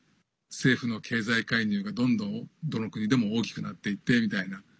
政府の経済介入が、どんどんどの国でも大きくなっていってみたいな。